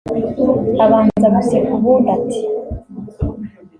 (Abanza guseka ubundi ati)